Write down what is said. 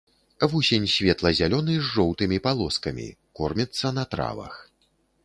Вусень светла-зялёны з жоўтымі палоскамі, корміцца на травах.